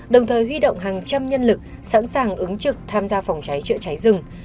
đồng thời huy động hàng trăm nhân lực sẵn sàng ứng trực tham gia phòng cháy chữa cháy rừng